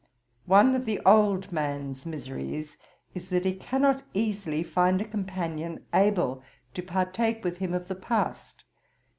One of the old man's miseries is, that he cannot easily find a companion able to partake with him of the past.